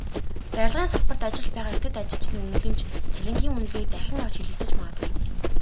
Барилгын салбарт ажиллаж байгаа хятад ажилчны үнэлэмж, цалингийн үнэлгээг дахин авч хэлэлцэж магадгүй.